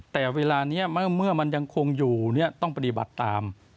แต่เวลานี้เมื่อมันยังคงอยู่ต้องปฏิบัติตาม